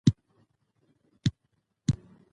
د خلکو ګډون ثبات راولي